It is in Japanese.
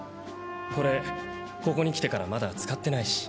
これここに来てからまだ使ってないし。